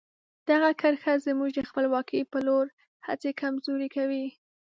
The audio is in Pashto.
دغه کرښه زموږ د خپلواکۍ په لور هڅې کمزوري کوي.